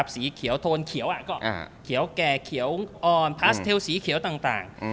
สีเขียวโทนเขียวก็เขียวแก่เขียวอ่อนพาสเทลสีเขียวต่าง